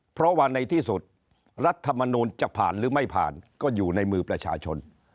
เพราะว่าในที่สุดรัฐมนูลจะผ่านหรือไม่ผ่านก็อยู่ในมือประชาชน